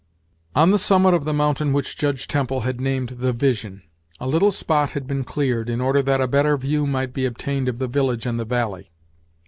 On the summit of the mountain which Judge Temple had named the "Vision," a little spot had been cleared, in order that a better view might be obtained of the village and the valley.